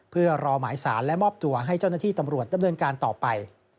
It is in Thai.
เพื่อรอหมายสารและมอบตัวให้เจ้าหน้าที่ตำรวจดำเนินการต่อไป